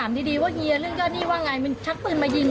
ถามดีดีว่าว่าไงมันทักปืนมายิงเลย